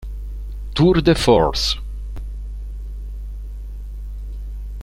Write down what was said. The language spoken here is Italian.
Tour de Force